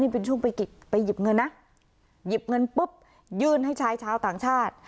เป็นช่วงไปหยิบเงินนะหยิบเงินปุ๊บยื่นให้ชายชาวต่างชาติ